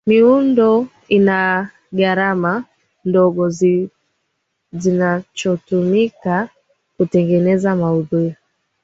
miundo ina gharama ndogo zinachotumika kutengeneza maudhui